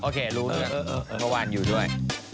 โอเครู้ด้วยกันเมื่อวานอยู่ด้วย